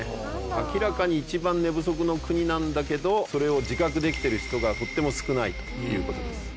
明らかに一番寝不足の国なんだけどそれを自覚できてる人がとっても少ないということです。